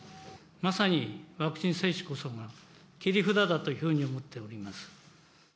まさにワクチン接種こそが、切り札だというふうに思っております。